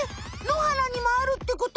のはらにもあるってこと？